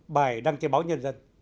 bài đăng trên báo nhé